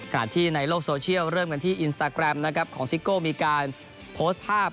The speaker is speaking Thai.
ที่ในโลกโซเชียลเริ่มกันที่อินสตาแกรมนะครับของซิโก้มีการโพสต์ภาพ